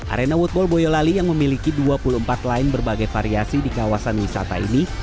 arena woodball boyolali yang memiliki dua puluh empat line berbagai variasi di kawasan wisata ini